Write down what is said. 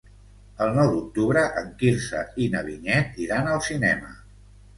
El nou d'octubre en Quirze i na Vinyet iran al cinema.